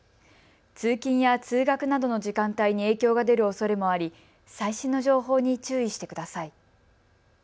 通勤や通学などの時間帯に影響が出るおそれもあり最新の情報に注意してください。